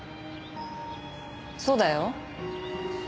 そうだよ。